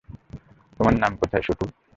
তোমার নাম কোথায়, শুটু?